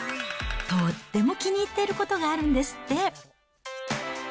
とっても気に入っていることがあるんですって。